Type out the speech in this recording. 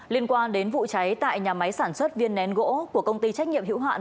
liên quan đến vụ cháy tại nhà máy sản xuất viên nén gỗ của công ty trách nhiệm hữu hạn